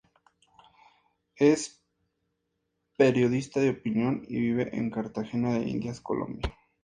Es periodista de opinión y vive en Cartagena de Indias, Colombia.